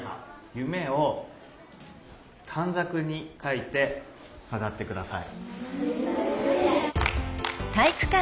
ゆめをたんざくに書いてかざってください。